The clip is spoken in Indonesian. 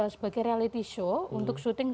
sebagai reality show untuk syuting